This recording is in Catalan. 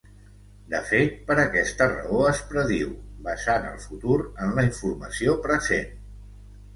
De fet, per aquesta raó es prediu, basant el futur en la informació present.